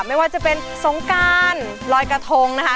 ไม่ว่าจะเป็นสงการลอยกระทงนะคะ